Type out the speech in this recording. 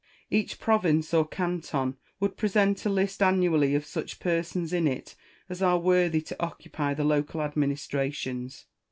Each province or canton would present a list annually of such persons in it as are worthy to occupy the local administrations.